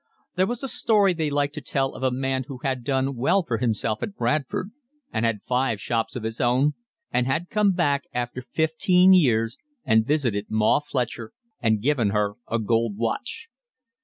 There was a story they liked to tell of a man who had done well for himself at Bradford, and had five shops of his own, and had come back after fifteen years and visited Ma Fletcher and given her a gold watch.